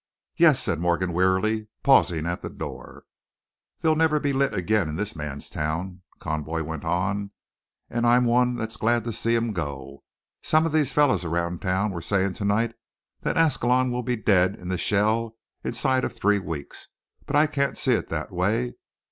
"Yes," said Morgan, wearily, pausing at the door. "They'll never be lit again in this man's town," Conboy went on, "and I'm one that's glad to see 'em go. Some of these fellers around town was sayin' tonight that Ascalon will be dead in the shell inside of three weeks, but I can't see it that way.